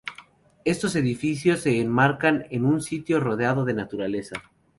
Estos edificios se enmarcan en un sitio rodeado de naturaleza.